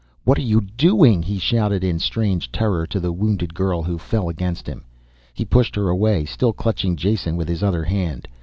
"What are you doing?" he shouted in strange terror to the wounded girl who fell against him. He pushed her away, still clutching Jason with his other hand.